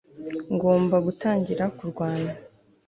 ngomba gutangira kurwana